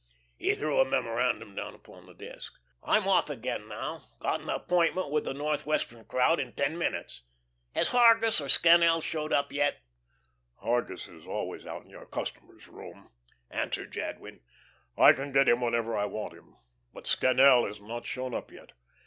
He threw a memorandum down upon the desk. "I'm off again now. Got an appointment with the Northwestern crowd in ten minutes. Has Hargus or Scannel shown up yet?" "Hargus is always out in your customers' room," answered Jadwin. "I can get him whenever I want him. But Scannel has not shown up yet.